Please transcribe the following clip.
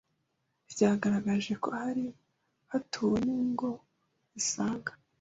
ryagaragaje ko hari hatuwe n’ingo zisaga